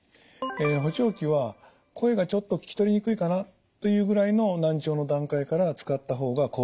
補聴器は声がちょっと聞き取りにくいかなというぐらいの難聴の段階から使った方が効果的です。